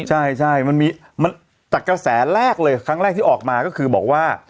ใช่มันมีจากกระแสแรกเลยครั้งแรกที่ออกมาก็คือบอกว่า